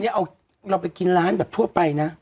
ใช่วันนี้เราไปกินร้านแบบทั่วไปนะ